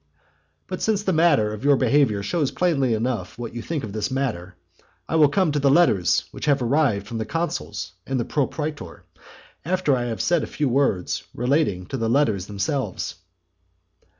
But since the manner of your behaviour shows plainly enough what you think of this matter, I will come to the letters which have arrived from the consuls and the propraetor, after I have said a few words relating to the letters themselves.